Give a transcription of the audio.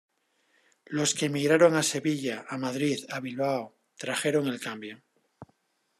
Los que emigraron a Sevilla, a Madrid, a Bilbao... trajeron el cambio.